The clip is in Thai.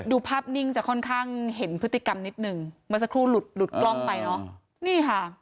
ดูภาพนิ่งจะค่อนข้างเห็นพฤติกรรมนิดนึงมาสักครู่หลุดกล้องไปเนอะ